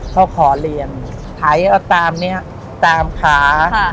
เขาขอเรียนถ่ายเอาตามเนี่ยตามขา